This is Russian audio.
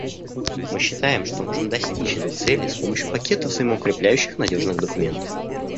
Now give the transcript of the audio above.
Мы считаем, что можем достичь этой цели с помощью пакета взаимоукрепляющих надежных документов.